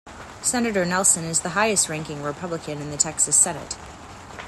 Senator Nelson is the highest ranking Republican in the Texas Senate.